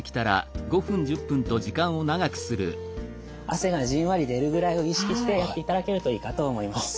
汗がじんわり出るぐらいを意識してやっていただけるといいかと思います。